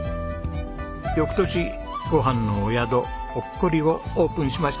翌年「ごはんのお宿ほっこり、」をオープンしました。